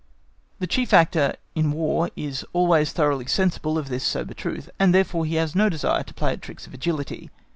The chief actor in War is always thoroughly sensible of this sober truth, and therefore he has no desire to play at tricks of agility.